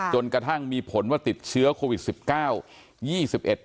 จนกระทั่งมีผลว่าติดเชื้อโควิด๑๙